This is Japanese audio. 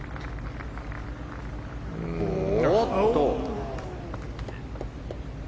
おっと。